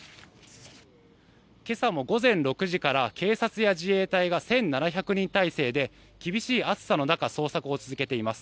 今朝も午前６時から警察や自衛隊が１７００人態勢で厳しい暑さの中捜索を続けています。